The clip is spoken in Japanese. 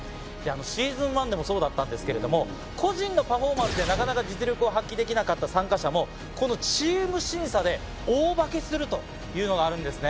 シーズン１でもそうだったんですけれども個人のパフォーマンスでなかなか実力を発揮できなかった参加者もこのチーム審査で大化けするというのがあるんですね。